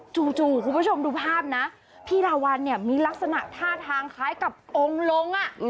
จู่คุณผู้ชมดูภาพนะพี่ลาวัลเนี่ยมีลักษณะท่าทางคล้ายกับองค์ลง